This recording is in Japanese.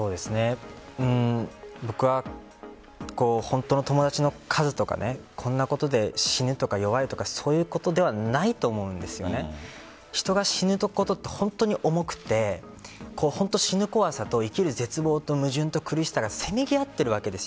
僕は本当の友達の数とかこんなことで死ぬとか弱いとかそういうことではないと思うんですが人が死ぬことって本当に重くて死ぬ怖さと生きる絶望と矛盾と苦しさがせめぎ合っているわけです。